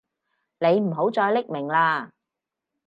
你唔好再匿名喇